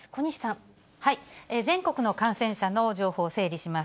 全国の感染者の情報を整理します。